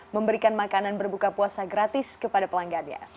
memberikan makanan berbuka puasa gratis kepada pelanggannya